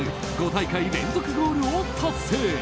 ５大会連続ゴールを達成。